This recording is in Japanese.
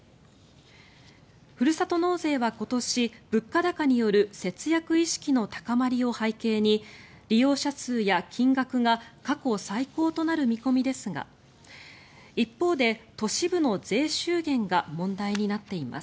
ふるさと納税は今年物価高による節約意識の高まりを背景に利用者数や金額が過去最高となる見込みですが一方で、都市部の税収減が問題になっています。